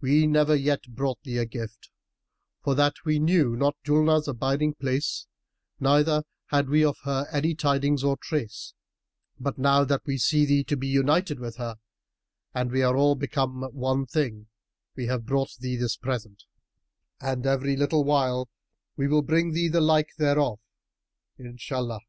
We never yet brought thee a gift, for that we knew not Julnar's abiding place neither had we of her any tidings or trace; but now that we see thee to be united with her and we are all become one thing, we have brought thee this present; and every little while we will bring thee the like thereof, Inshallah!